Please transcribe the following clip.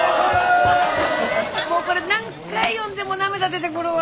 もうこれ何回読んでも涙出てくるわ。